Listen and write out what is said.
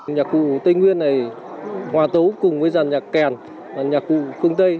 nhạc cụ tây nguyên này hòa tấu cùng với giàn nhạc kèn nhạc cụ phương tây